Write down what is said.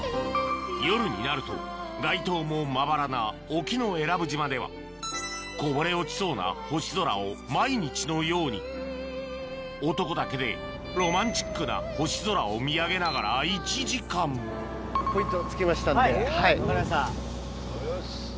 夜になると街灯もまばらな沖永良部島ではこぼれ落ちそうな星空を毎日のように男だけでロマンチックな星空を見上げながらはい分かりました。